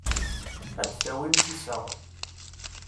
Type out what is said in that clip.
Ad d-tawimt iseɣ.